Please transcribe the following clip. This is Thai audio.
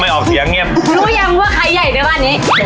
ประมาณ๒๐กิงแบบนี้